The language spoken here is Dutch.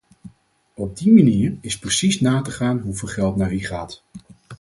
Op die manier is precies na te gaan hoeveel geld naar wie gaat.